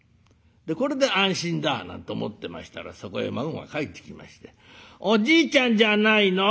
これで安心だなんて思ってましたらそこへ孫が帰ってきまして「おじいちゃんじゃないの？